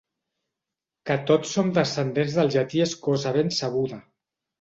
Que tots som descendents del Llatí és cosa ben sabuda.